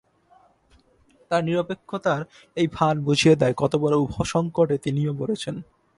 তাঁর নিরপেক্ষতার এই ভান বুঝিয়ে দেয় কত বড় উভসংকটে তিনিও পড়েছেন।